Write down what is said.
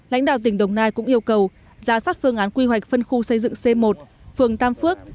lãnh đạo tỉnh đồng nai cũng yêu cầu giả soát phương án quy hoạch phân khu xây dựng c một phường tam phước